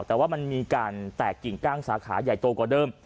แต่ว่ามันมีการแตกกิ่งก้างสาขาใหญ่โตกว่าเดิม